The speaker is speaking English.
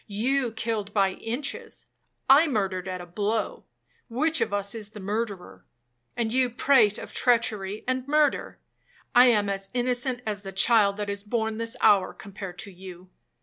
You killed by inches,—I murdered at a blow,—which of us is the murderer?—And you prate of treachery and murder? I am as innocent as the child that is born this hour, compared to you.